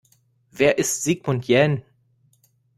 Wer ist Sigmund Jähn?